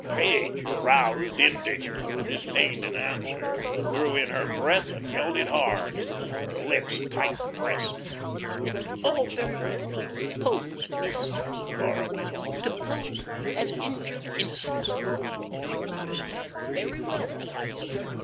Page, aroused, indignant, disdained an answer, but drew in her breath and held it hard, her lips tight pressed. "It's all very well for you to pose, miss," Laura went on; "to pose as injured innocence. But you understand very well what I mean.